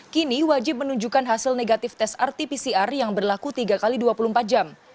kini wajib menunjukkan hasil negatif tes rt pcr yang berlaku tiga x dua puluh empat jam